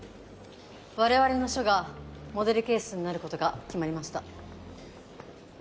我々の署がモデルケースになることが決まりました。